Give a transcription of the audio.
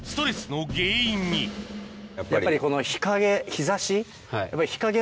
やっぱりこの日陰日差し。